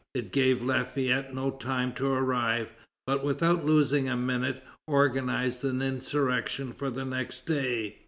It gave Lafayette no time to arrive, but, without losing a minute, organized an insurrection for the next day.